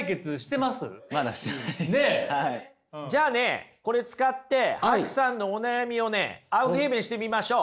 じゃあねこれ使ってＨＡＫＵさんのお悩みをねアウフヘーベンしてみましょう。